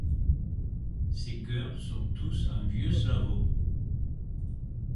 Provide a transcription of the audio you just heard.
Ces chœurs sont tous en vieux slavon.